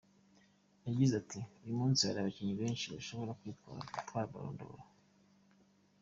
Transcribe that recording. Ygize ati “Uyu munsi hari abakinnyi benshi bashobora gutwara Ballon d’or.